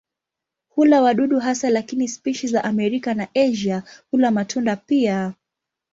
Hula wadudu hasa lakini spishi za Amerika na Asia hula matunda pia.